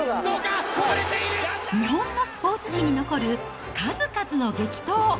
日本のスポーツ史に残る数々の激闘。